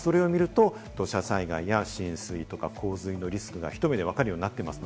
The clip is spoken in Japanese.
それを見ると、土砂災害や浸水・洪水のリスクなどが、ひと目で分かるようになっています。